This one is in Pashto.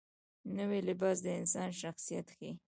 نوی لباس د انسان شخصیت ښیي